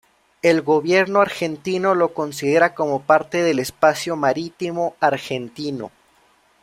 El gobierno argentino lo considera como parte del espacio marítimo argentino.